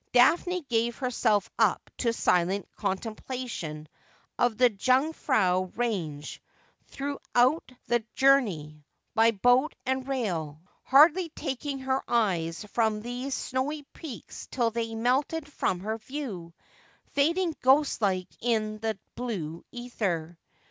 Daphne gave herself up to silent contemplation of the Jungfrau range throughout the journey, by boat and rail, hardly taking her eyes from those snowy peaks till they melted from her view, fading ghostlike in the blue ether.